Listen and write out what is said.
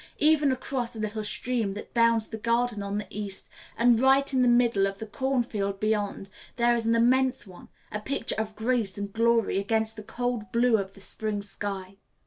Even across a little stream that bounds the garden on the east, and right in the middle of the cornfield beyond, there is an immense one, a picture of grace and glory against the cold blue of the spring sky.